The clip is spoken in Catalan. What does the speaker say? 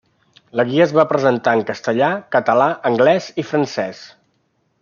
La guia es va presentar en castellà, català, anglès i francès.